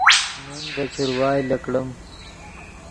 من ڤے چروائے لکڑیم